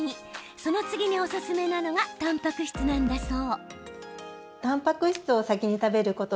その次に、おすすめなのがたんぱく質なんだそう。